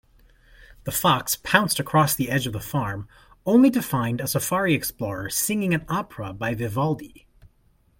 The fox pounced across the edge of the farm, only to find a safari explorer singing an opera by Vivaldi.